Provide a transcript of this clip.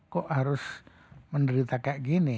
kok harus menderita kayak gini